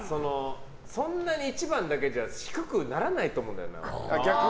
そんなに１番だけじゃ低くならないと思うんだよな。